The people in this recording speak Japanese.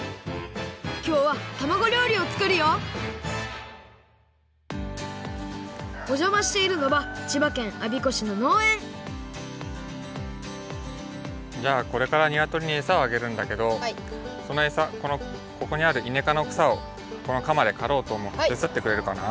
きょうはたまご料理を作るよおじゃましているのは千葉県我孫子市ののうえんじゃあこれからにわとりにえさをあげるんだけどそのえさここにあるいねかのくさをこのかまでかろうとおもうのでてつだってくれるかな？